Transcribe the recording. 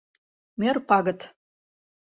МӦР ПАГЫТ